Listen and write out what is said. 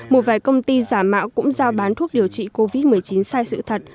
một vài công ty giả mạo cũng giao bán thuốc điều trị covid một mươi chín sai sự thật